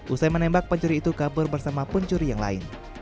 usai menembak pencuri itu kabur bersama pencuri yang lain